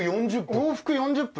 往復４０分？